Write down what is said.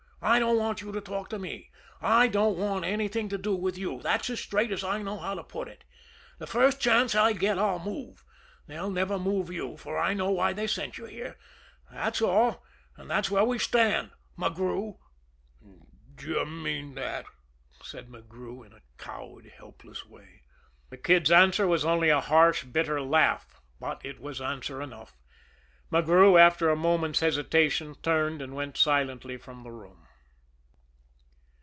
I don't want you to talk to me. I don't want anything to do with you that's as straight as I know how to put it. The first chance I get I'll move they'll never move you, for I know why they sent you here. That's all, and that's where we stand McGrew." "D'ye mean that?" said McGrew, in a cowed, helpless way. The Kid's answer was only a harsh, bitter laugh but it was answer enough. McGrew, after a moment's hesitation, turned and went silently from the room.